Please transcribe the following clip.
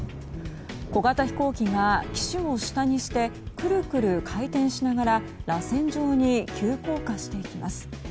小型飛行機が機首を下にしてくるくる回転しながららせん状に急降下していきます。